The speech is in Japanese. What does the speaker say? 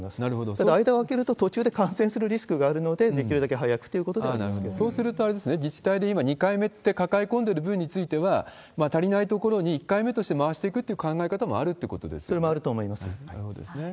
ただ、間を空けると途中で感染するリスクがあるので、できるだけ早くとそうすると、自治体で今、２回目って抱え込んでる分については、足りない所に１回目として回していくということもあるってことでそれもあると思います。